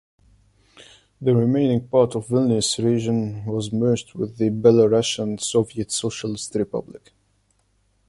The remaining part of Vilnius region was merged with the Byelorussian Soviet Socialist Republic.